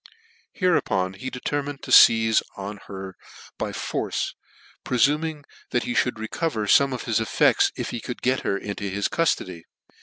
Hereupon he determined to feize on her by force, prefuming that he mould recover fome of his effects if he could get her into his cuftody.